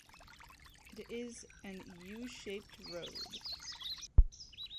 It is an U-shaped road.